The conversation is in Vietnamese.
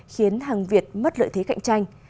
khiến hàng việt mất lợi thế cạnh tranh